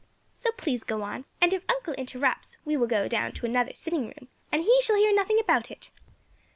So please go on, and if uncle interrupts we will go down to another sitting room and he shall hear nothing about it."